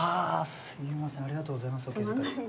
すみませんありがとうございますお気遣い。